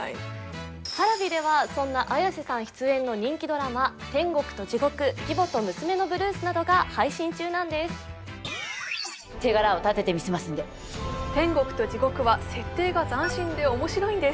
Ｐａｒａｖｉではそんな綾瀬さん出演の人気ドラマ「天国と地獄」「義母と娘のブルース」などが配信中なんです手柄を立ててみせますんで「天国と地獄」は設定が斬新で面白いんです